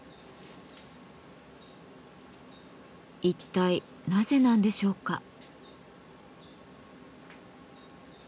一体なぜなんでしょうか？